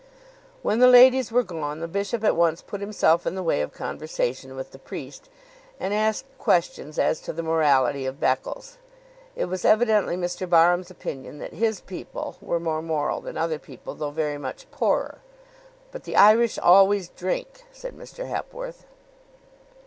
When the ladies were gone the bishop at once put himself in the way of conversation with the priest, and asked questions as to the morality of Beccles. It was evidently Mr. Barham's opinion that "his people" were more moral than other people, though very much poorer. "But the Irish always drink," said Mr. Hepworth.